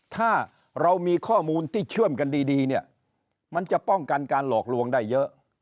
ถ้าเรามีข้อมูลที่เชื่อมกันดีเนี่ยมันจะป้องกันการหลอกลวงได้เยอะ